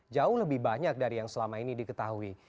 jauh lebih banyak dari yang selama ini diketahui